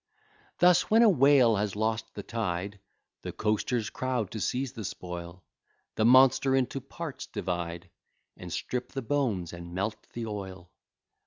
Thus, when a whale has lost the tide, The coasters crowd to seize the spoil: The monster into parts divide, And strip the bones, and melt the oil.